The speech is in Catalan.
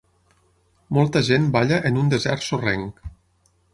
Molta gent balla en un desert sorrenc.